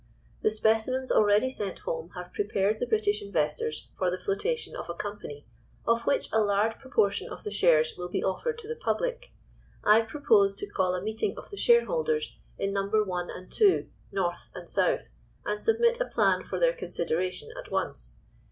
The specimens already sent home have prepared the British investors for the flotation of a company, of which a large proportion of the shares will be offered to the public. I propose to call a meeting of the shareholders in Number One and Two, North, and South, and submit a plan for their consideration at once.